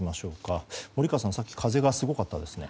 森川さん、さっき風がすごかったですね。